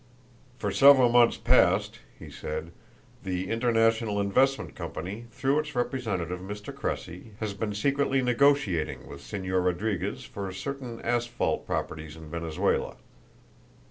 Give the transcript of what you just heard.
"For several months past," he said, "the International Investment Company, through its representative, Mr. Cressy, has been secretly negotiating with Señor Rodriguez for certain asphalt properties in Venezuela.